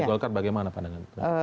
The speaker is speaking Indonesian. dari golkar bagaimana pandangan itu